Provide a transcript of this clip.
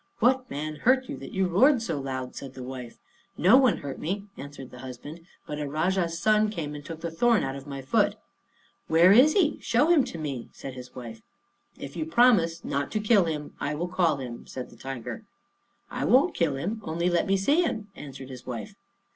"What man hurt you that you roared so loud?" said the wife. "No one hurt me," answered the husband; "but a Rajah's son came and took the thorn out of my foot." "Where is he? Show him to me," said his wife. "If you promise not to kill him, I will call him," said the tiger. "I won't kill him; only let me see him," answered his wife.